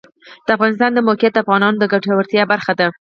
د افغانستان د موقعیت د افغانانو د ګټورتیا برخه ده.